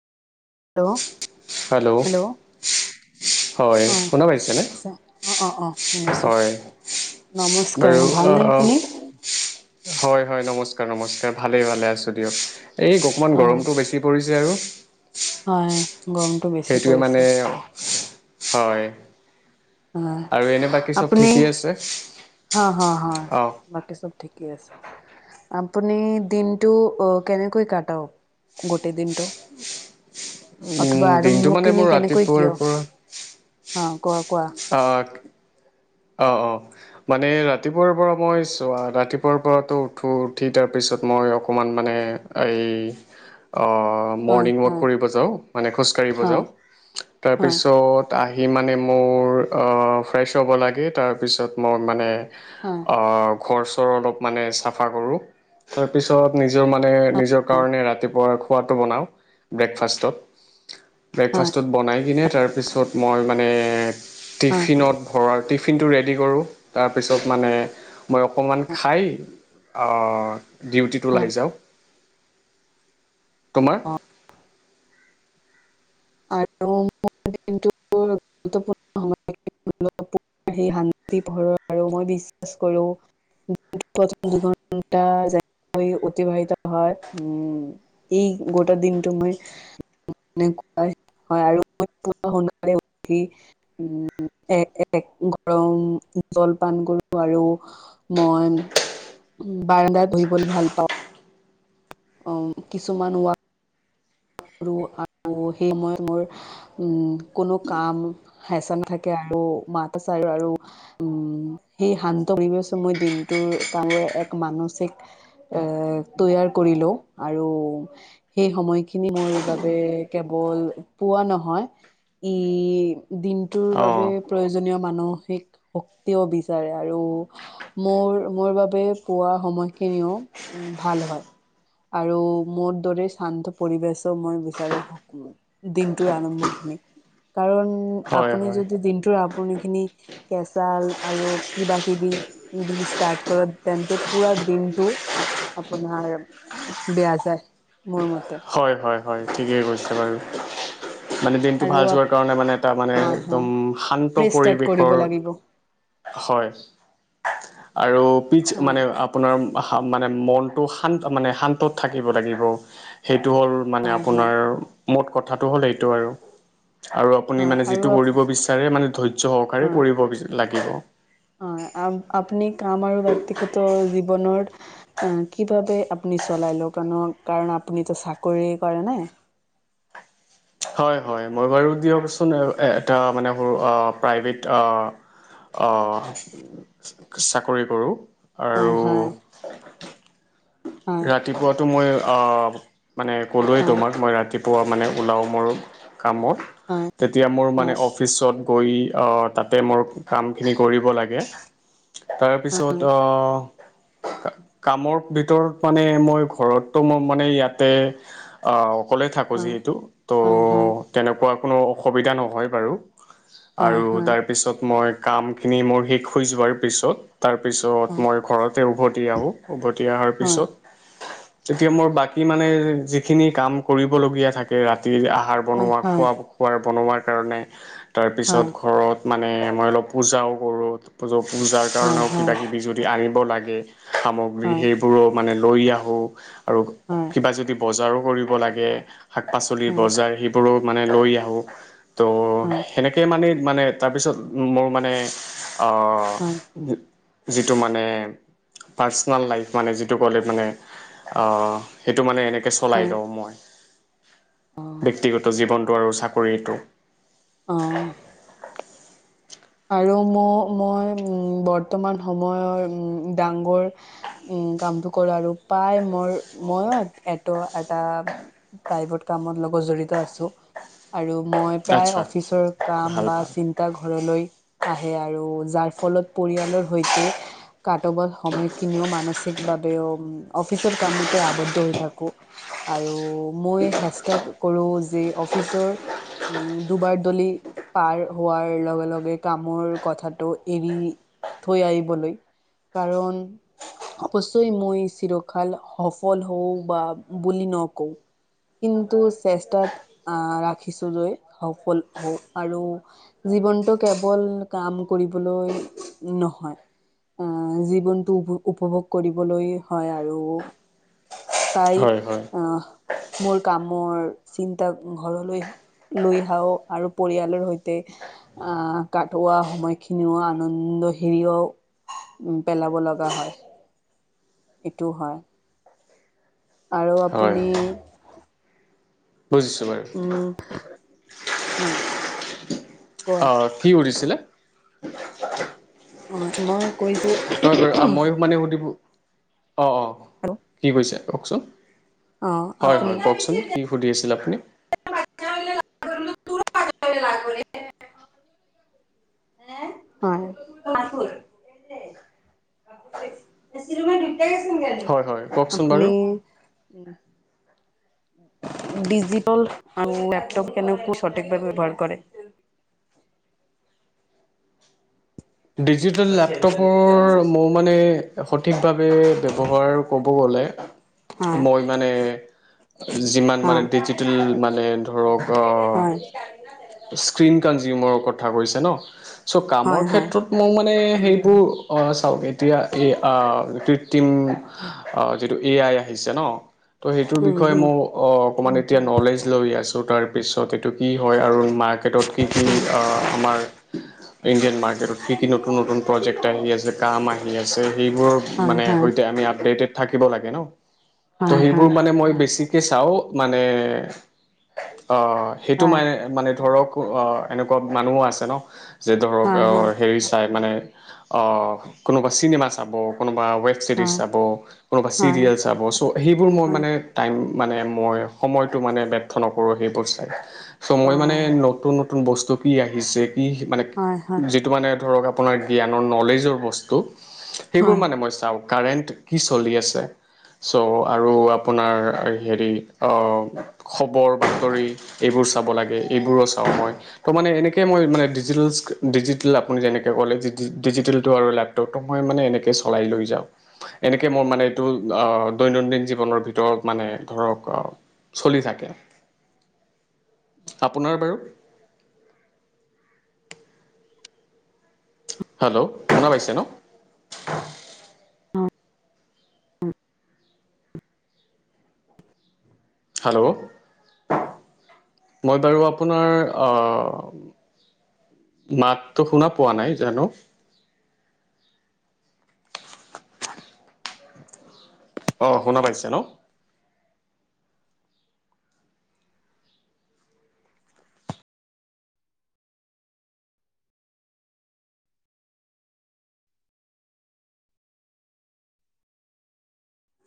Hello [unintelligible] hello হয় অ শুনা পাইছেনে চ [unintelligible] অ-অ-অ শুনিছো হয় নমস্কাৰ ভাল নে আপুনি। হয়-হয়, নমস্কাৰ-নমস্কাৰ ভালেই ভালে আছোঁ দিয়ক এই অকণমান অ গৰমটো বেছি পৰিছে আৰু [unintelligible] হয়। গৰমটো বেছি সেইটোৱেই মানে পৰিছে [unintelligible] হয় আহ আৰু এনে বাকী [inaudible] চব আপুনি ঠিকেই আছে হা-হা-হা অঁ বাকী চব ঠিকেই আছে। আপুনি দিনটো কেনেকৈ কটাও গোটেই দিনটো [unintelligible] উম, অথবা আৰু দিনটো ম মানে মোৰ কিনি কেনেকৈ ৰাতিপুৱাৰ কিয় অ ক। [unintelligible] অ‍ঁ [unintelligible] [inaudible] অ-অ [unintelligible] মানে ৰাতিপুৱাৰ পৰা মই চোৱা ৰাতিপুৱাৰ পৰাতো উঠো উঠি তাৰ পিছত মই অকমান মানে। [unintelligible] এই। [unintelligible] হয় মৰ্ণিং ৱাক হয় কৰিব যাওঁ মানে খোজকাঢ়িব যাওঁ, হয় হয় তাৰপিছত। আহি মানে মোৰ ফ্ৰেছ হ'ব লাগে তাৰপিছত মই মানে [unintelligible] হয় অ ঘৰ-চৰ অলপ মানে চাফা কৰো তাৰপিছত নিজৰ মানে [unintelligible] নিজৰ কাৰণে ৰাতিপুৱাৰ খোৱাটো বনাওঁ ব্ৰেকফাষ্টত। হয় ব্ৰেকফাষ্টত বনাই কিনে তাৰপিছত মই মানে হয় টিফিনত ভৰা। [unintelligible] টিফিনটো ৰেডি কৰোঁ তাৰপিছত মানে মই অকণমান খাই অ। [unintelligible] ডিউটিট হয় ওলাই যাওঁ তোমাৰ হয় [unintelligible] আৰু গুৰুতপূৰ্ণ সম। [unintelligible] [unintelligible] শান্তি [unintelligible] আৰু মই বিশ্বাস কৰো ঘ অতিবাহিত হয় উ এই। [unintelligible] গোটেই দিনটো মই [unintelligible] হয় আৰু স [unintelligible] উম এ এক গৰম জলপান কৰো আৰু [unintelligible] মই বাৰেদাৰে বহিবলৈ ভাল পাওঁ। [unintelligible] কিছুমান ক। [unintelligible] আৰু [unintelligible] সেই সময়ত মোৰ উম কোনো কাম হেচা নাথাকে আৰু মাত আচাৰ। সেই শান্ত মই দিনটোৰ কাৰৰে [unintelligible] এক মানসিক। এ তৈয়াৰ কৰি লও আৰু সেই সময়। [unintelligible] খিনি মোৰ বাবে কেৱল পোৱা নহয়। ই দিনটোৰ বাবে অঁ প্ৰয়োজনীয় মানসিক শক্তিও বিচাৰে আৰু [unintelligible] মোৰ মোৰ বাবে পোৱা সময়খিনিও উ ভাল হয়। আৰু মোৰ দৰে শান্ত। পৰিবেশো মই বিচাৰো দিনটোৰ আৰম্ভ খিনি। কাৰণ হয় আপুনি হয় যদি দিনটোৰ আপুনি খিনি কেঁচাল আৰু কিবা কিবি। [unintelligible] দি ষ্টাৰ্ট কৰ তেন্তে পুৰা দিনটো আপোনাৰ বেয়া যায় মোৰ মতে। হয় হয় হয় ঠিকেই কৈছে বাৰু। মানে দিনটো আৰু ভাল যোৱাৰ কাৰণে মানে এটা মানে হয় একদম হয় শান্ত ফ্ৰেছ ষ্টাৰ্ট পৰিৱেশৰ কৰিব লাগিব হয় আৰু পিচ মানে হয় আপোনাৰ মানে মনটো শান্ত মানে শান্তত থাকিব লাগিব। এইটো হ'ল মানে হয় হয় আপোনাৰ মোত কথাটো হ'ল এইটো আৰু। আৰু আপুনি হয় মানে আৰু যিটো কৰিব হয় বিচাৰে মানে ধৈৰ্য্য সহকাৰে কৰিব লাগিব। অ আ আপুনি কাম আৰু ব্যক্তিগত জীৱনৰ এ কি ভাবে আপ চলাই লো কাৰণ আপুনি চাকৰি কৰে ন। হয় হয় মই বাৰু দিয়কচোন এটা মানে সৰু আ প্ৰাইভেট আ অঁ, চাকৰি কৰোঁ। হয় হয়। ৰাতিপুৱাটো মই আ মানে ক'লোৱেই হয় তোমাক মই ৰাতিপুৱা মানে ওলাওঁ। ময়ো কামত, হয় তেতিয়া মোৰ হয় মানে অফিচত বহি অ তাতে মোৰ কামখিনি কৰিব লাগে। তাৰ পিছত আহ কামৰ ভিতৰত মানে মই ঘৰতটো মই মানে ইয়াতে আ অকলে থাকো হয় যিহেতু। তো হয় হয়। তেনেকুৱা কোনো অসুবিধা নহয় বাৰু আৰু তাৰ হয় পিছত মই কামখিনি মোৰ শেষ হৈ যোৱাৰ পিছত তাৰপিছত মই ঘৰতে উভতি আহোঁ, উভতি অহাৰ হয় পিছত তেতিয়া মোৰ বাকী মানে যিখিনি কাম কৰিবলগীয়া থাকে ৰা তিৰ আহাৰ হয় হয় বনোৱা, হয় পুৱাৰ বনোৱাৰ কাৰণে তাৰপিছত হয় ঘৰত মা মানে মই অলপ পূজাও কৰোঁ, পূজাৰ হয় হয় হয় কাৰণেও হয় হয় হয় কিবাকিবি যদি আনিব লাগে সামগ্ৰী সেইবোৰো মানে লৈ আহো আৰু কিবা যদি বজাৰো কৰিব লাগে শাক-পাচ বজাৰ সেইবোৰো মানে লৈ আহোঁ তো হয় হয় সেনেকেই মানে মানে তাৰপিছত মোৰ মানে আ হয় যিটো মানে পাৰ্চনেল লাইফ মানে যিটো ক'লে মানে, আ সেইটো মানে চলাই হয় লওঁ মই। অঁ ব্যক্তিগত জীৱনটো আৰু চাকৰিটো। আহ। আৰু ময়ো মই উম বৰ্তমান সময়ৰ উম ডাঙৰ উম কামটো কৰা আগত প্ৰায় মোৰ ম‌ইয়ো সেইটো এটা প্ৰাইভেট কামত লগত জড়িত আছোঁ আৰু মই প্ৰায় আচ্ছা অফিচৰ কাম ভাল বা ভাল চিন্তা ঘৰলৈ আহে আৰু যাৰ ফলত পৰিয়ালৰ সৈতে কাটবৰ সময় কিনিও মানসিকভাৱেও অফিচৰ কামতে আৱদ্ধ হৈ থাকো। আৰু মই হেষ্টাক কৰো যি অফিচৰ উম দুৱাৰ দলিত পাৰ হোৱাৰ লগে লগে কামৰ কথাটো এৰি থৈ আহিবলৈ কাৰণ অৱশ্যই মই চিৰকাল সফল হওঁ বা বুলি নকও। কিন্তু চেষ্টাত আহ ৰাখিছো যে সফল হ‌ওঁ আৰু জীৱনটোত কেৱল কাম কৰিবলৈ নহয় আহ জীৱনটো উপ উপভোগ কৰিবলৈ হয় আৰু তাই হয় হয় আহ মোৰ কামৰ চিন্তা ঘৰলৈ লৈ আহাও আৰু পৰিয়ালৰ সৈতে আহ কাটোৱা সময়খিনিও আনন্দ হেৰিও [unintelligible] উ পেলাব লগা হয়। এইটোও হয়। আৰু হয় আপুনি। হয় বুজিছোঁ বাৰু। উম হয় [unintelligible] অ কি উৰিছিলে [unintelligible] অ মই কৈছো [unintelligible] মই মানে সুধিব অঁ অঁ হেল্ল' কি কৈছে, কওকচোন অ হয় হয় কওকচোন কি সুধি আছিল আপুনি। লা কৰে। [unintelligible] হয়। [unintelligible] হয় হয় [unintelligible] কওকচোন বাৰু আপুনি ডিজিটেল লেপটপ কেনে সঠিকভাৱে ব্যৱহাৰ কৰে। [unintelligible] [inaudible] ডিজিটেল লেপটপৰ মোৰ মানে সঠিকভাৱে ব্যৱহাৰ ক'ব গ'লে হয় মই মানে যিমান মানে ডিজিটেল মানে ধৰক হয় আহ স্ক্ৰীণ কনজিউমাৰৰ কথা কৈছে ন চ' হয় কামৰ হয় হয় ক্ষেত্ৰত মোৰ মানে সেইবোৰ চাওক এতিয়া এই কৃত্ৰিম যিটো এ আই আহিছে। ন [unintelligible] তো সেইটোৰ উম বিষয়ে হম মই অকণমান এতিয়া নলেজ লৈ আছোঁ তাৰপিছত এইটো কি হয় আৰু। মাৰ্কেটত কি কি আমাৰ ইণ্ডিযয়ান মাৰ্কেটত কি কি নতুন নতুন প্ৰজেকট আহি আছে কাম আহি [unintelligible] মেছেদিভ হয় মানে হয় সৈতে আমি আপডেটেড থাকিব লাগে ন। ত' হয় সেইবোৰ হয় মানে মই বেছিকে চাওঁ মানে অহ সেইটো মানে মানে ধৰক এনেকুৱা মানুহো আছে ন। যে ধৰক হয় হয় হয় হেৰি চাই মানে কোনোবা চিনেমা চাব কোন বা ৱেব ছিৰিজ হয় চাব কোনোবা হয় চিৰিয়েল চাব চ' সেইবোৰ মই হয় হয় মানে টাইম। মানে মই সময়টো মানে ব্যৰ্থ নকৰোঁ সেই বসস্থাই চ' অ মই মানে নতুন নতুন বস্তু কি আহিছে মানে হয় হয় যিটো মানে ধ [unintelligible] আপোনাৰ জ্ঞানৰ নলেজৰ বস্তু সেইবোৰ হয় মানে মই চাওঁ। কাৰেণ্ট কি চলি আছে? চ' আৰু আপোনাৰ হেৰি খবৰ বাতৰি এইবোৰ চাব লাগে। এইবোৰো চাওঁ মই তো মানে এনেকৈ মই মানে ডিজিটেল ডিজিটেল আপুনি যেনেকৈ ক'লে ডিজিটেল। আৰু লেপটপটো মই মানে এনেকে চলাই লৈ যাওঁ। এনেকে মই মানে এইটো আহ দৈনন্দিন জীৱনৰ ভিতৰত মানে ধৰক আহ- চলি থাকে। [inaudible] আপোনাৰ বাৰু হেল্ল' শুনা পাইছে ন। হয়। হেল্ল' মই বাৰু আপোনাৰ অ [unintelligible] মাতটো শুনা পোৱা নাই জানো। [inaudible] অ শুনা পাইছে ন?